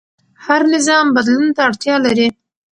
هر نظام بدلون ته اړتیا لري